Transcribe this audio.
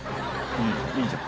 いいじゃん！